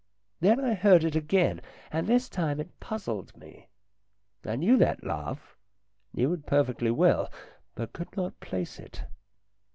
Then I heard it again, and this time it puzzled me. I knew that laugh, knew it perfectly well, but could not place it.